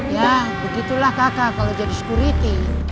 ya begitulah kakak kalau jadi security